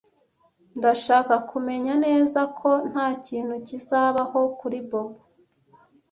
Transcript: Ndashaka kumenya neza ko ntakintu kizabaho kuri Bobo .